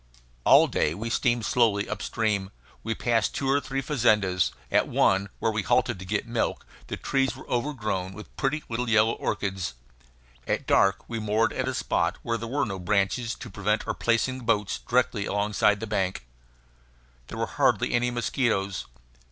All day we steamed slowly up stream. We passed two or three fazendas. At one, where we halted to get milk, the trees were overgrown with pretty little yellow orchids. At dark we moored at a spot where there were no branches to prevent our placing the boats directly alongside the bank. There were hardly any mosquitoes.